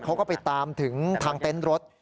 เขาก็ไปตามถึงทางเต็นต์รถ